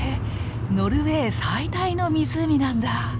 ノルウェー最大の湖なんだ！